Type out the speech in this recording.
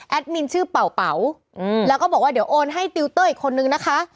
มินชื่อเป่าแล้วก็บอกว่าเดี๋ยวโอนให้ติวเตอร์อีกคนนึงนะคะ